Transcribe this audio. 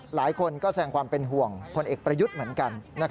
หลายคนก็แสงความเป็นห่วงพลเอกประยุทธ์เหมือนกัน